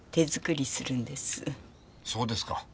そうですか。